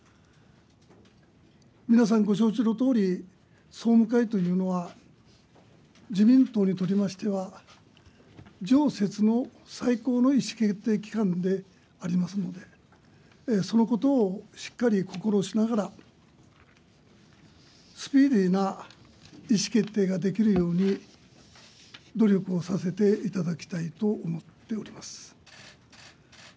皆さんご承知のとおり、総務会というのは、自民党にとりましては、常設の最高の意思決定機関でありますので、そのことをしっかりこころしながら、スピーディーな意思決定ができるように、努力をさせていただきたいと思っております。